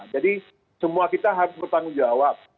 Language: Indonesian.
jadi semua kita harus bertanggung jawab